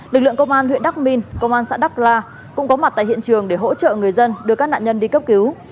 lực lượng công an huyện đắc minh công an xã đắc la cũng có mặt tại hiện trường để hỗ trợ người dân đưa các nạn nhân đi cấp cứu